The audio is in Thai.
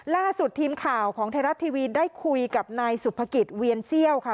ล่าสุดทีมข่าวของไทยรัฐทีวีได้คุยกับนายสุภกิจเวียนเซี่ยวค่ะ